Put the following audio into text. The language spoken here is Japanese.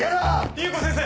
裕子先生！